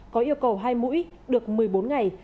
có yêu cầu hai mũi được một mươi bốn ngày